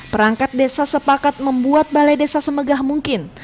perangkat desa sepakat membuat balai desa semegah mungkin